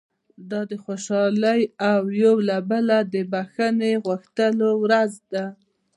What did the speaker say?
دا د خوشالۍ او یو له بله د بښنې غوښتلو ورځ ده.